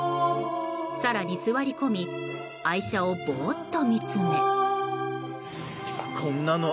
更に座り込み愛車をぼーっと見つめ。